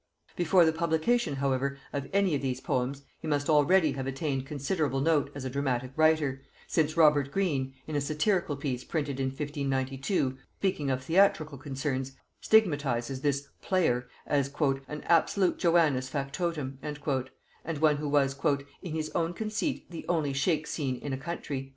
Before the publication however of any one of these poems he must already have attained considerable note as a dramatic writer, since Robert Green, in a satirical piece printed in 1592, speaking of theatrical concerns, stigmatizes this "player" as "an absolute Joannes Factotum," and one who was "in his own conceit the only Shake scene in a country."